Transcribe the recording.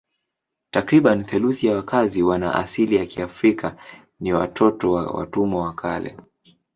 Takriban theluthi ya wakazi wana asili ya Kiafrika ni watoto wa watumwa wa kale.